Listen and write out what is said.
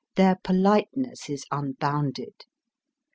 Their politeness is unbounded.